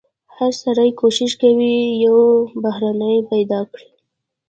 هر سړی کوښښ کوي یو بهرنی پیدا کړي.